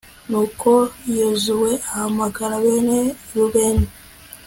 nuko yozuwe ahamagara bene rubeni